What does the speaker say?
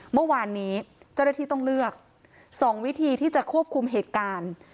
เมื่อวานนี้เจ้าหน้าที่ต้องเลือก๒วิธีที่จะควบคุมเหตุการณ์